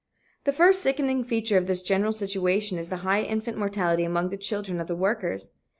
The first sickening feature of this general situation is the high infant mortality among the children of the workers.